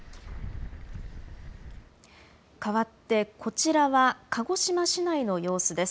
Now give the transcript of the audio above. かわって、こちらは鹿児島市内の様子です。